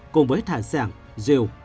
cùng với thải sẻng rìu